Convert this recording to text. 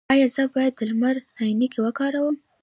ایا زه باید د لمر عینکې وکاروم؟